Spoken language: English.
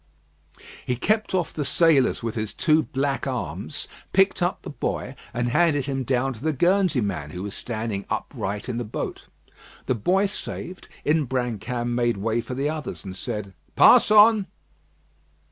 He kept off the sailors with his two black arms, picked up the boy, and handed him down to the Guernsey man, who was standing upright in the boat. The boy saved, Imbrancam made way for the others, and said: "Pass on!"